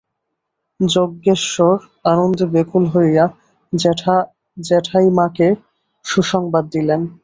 যজ্ঞেশ্বর আনন্দে ব্যাকুল হইয়া জ্যাঠাইমাকে সুসংবাদ দিলেন।